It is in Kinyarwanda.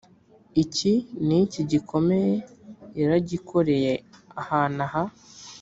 iki n iki gikomeye yaragikoreye ahantu aha